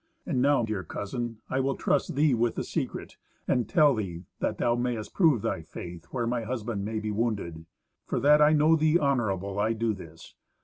And now, dear cousin, I will trust thee with the secret, and tell thee, that thou mayst prove thy faith, where my husband may be wounded. For that I know thee honourable, I do this.